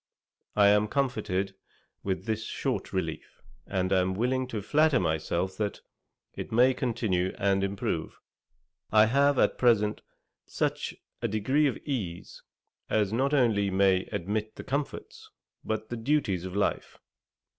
I am much comforted with this short relief, and am willing to flatter myself that it may continue and improve. I have at present, such a degree of ease, as not only may admit the comforts, but the duties of life.